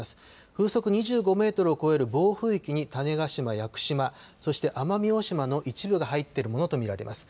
風速２５メートルを超える暴風域に種子島・屋久島、そして奄美大島の一部が入っているものと見られます。